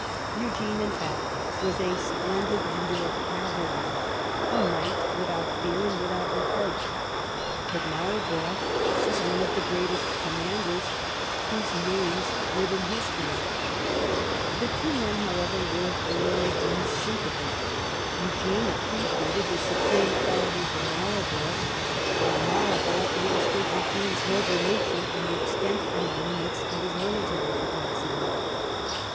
Eugene, in fact, was a splen did leader of cavalry, a knight without fear and without reproach, but Marlborough was one of the greatest commanders whose names live in history. The two men, however, were thoroughly in sympathy. Eugene appreciated the supreme qualities of Marlborough, and 107 THE REIGN OF QUEEN ANNE Marlborough understood Eugene's noble nature and tHe extent and the limits of his military capacity.